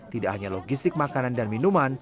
tidak hanya logistik makanan dan minuman